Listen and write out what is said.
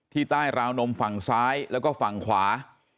ใต้ราวนมฝั่งซ้ายแล้วก็ฝั่งขวา